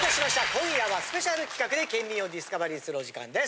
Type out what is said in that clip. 今夜はスペシャル企画でケンミンをディスカバリーするお時間です。